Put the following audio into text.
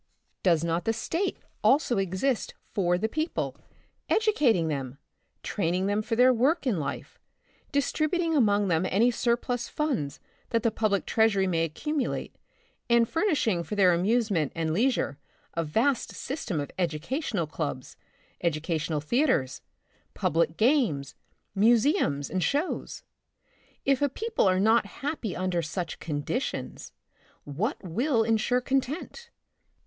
Does not the State also exist for the people, educating them, training them for their work in life, distributing among them any surplus funds that the public treasury may accumulate, and furnishing for their amusement and leisure a vast system of edu cational clubs, educational theaters, public games, museums and shows ? If a people are not happy under such conditions, what will insure content